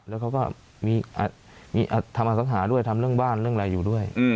แล้วเขาก็มีทำอสังหาด้วยทำเรื่องบ้านเรื่องอะไรอยู่ด้วย